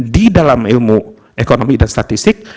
di dalam ilmu ekonomi dan statistik